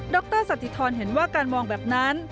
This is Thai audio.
รสัตติธรเห็นว่าการมองแบบนั้น